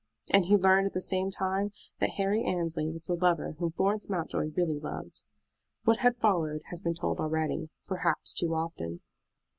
And he learned at the same time that Harry Annesley was the lover whom Florence Mountjoy really loved. What had followed has been told already, perhaps too often.